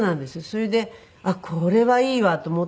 それでこれはいいわと思って。